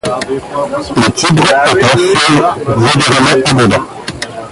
Le Tibre est un fleuve modérément abondant.